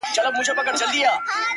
ژوند چي د سندرو سکه ورو دی لمبې کوې!!